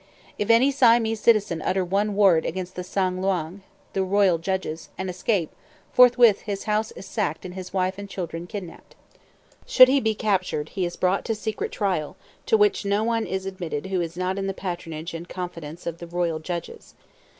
If any Siamese citizen utter one word against the "San Luang," (the royal judges), and escape, forthwith his house is sacked and his wife and children kidnapped. Should he be captured, he is brought to secret trial, to which no one is admitted who is not in the patronage and confidence of the royal judges.